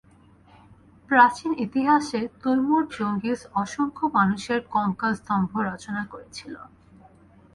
প্রাচীন ইতিহাসে Timur Genghis অসংখ্য মানুষের কঙ্কালস্তম্ভ রচনা করেছিল।